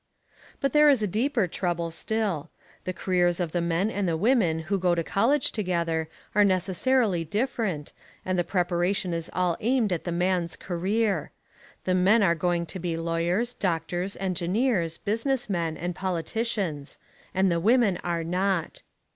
But there is a deeper trouble still. The careers of the men and women who go to college together are necessarily different, and the preparation is all aimed at the man's career. The men are going to be lawyers, doctors, engineers, business men, and politicians. And the women are not.